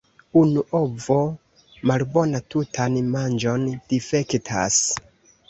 Unu ovo malbona tutan manĝon difektas.